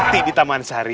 bunga melati di taman sari